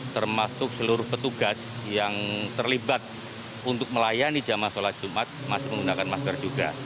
termasuk seluruh petugas yang terlibat untuk melayani jemaah sholat jumat masih menggunakan masker juga